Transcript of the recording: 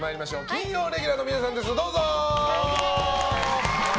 金曜レギュラーの皆さんです。